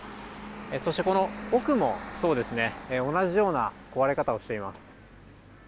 そしてこの奥もそうですね、同じような壊れ方をしています。